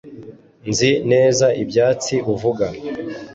Nzi neza ibyatsi uvuga